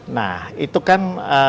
nah itu kan